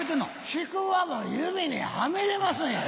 ちくわも指にはめれますねん。